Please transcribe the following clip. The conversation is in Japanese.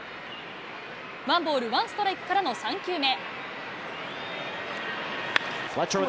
ワンボールワンストライクからの３球目。